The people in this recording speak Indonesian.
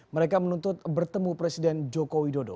mereka menuntut bertemu presiden joko widodo